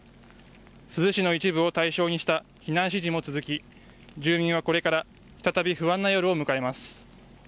珠洲市の一部を対象にした避難指示も続き住民はこれから再び不安な夜を迎えます。